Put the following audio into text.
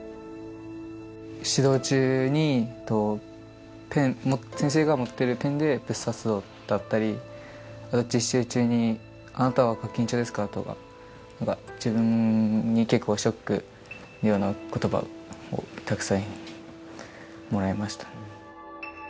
指導中に先生が持ってるペンで「ぶっ刺すぞ」だったりあと実習中に「あなたはガキンチョですか？」とか自分に結構ショックのような言葉をたくさんもらいました。